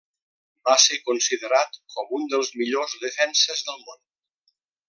Va ser considerat com un dels millors defenses del món.